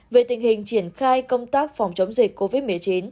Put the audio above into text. về tình hình triển khai công tác phòng chống dịch covid một mươi chín